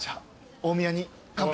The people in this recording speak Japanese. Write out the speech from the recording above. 大宮に乾杯。